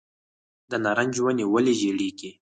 د نارنج ونې ولې ژیړیږي؟